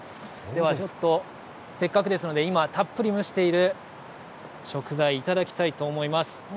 では、ちょっと、せっかくですので今、たっぷり蒸している食材いただきたいと思います。